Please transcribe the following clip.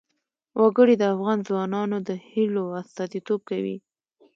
وګړي د افغان ځوانانو د هیلو استازیتوب کوي.